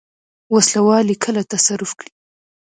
وسله وال یې کله تصرف کړي.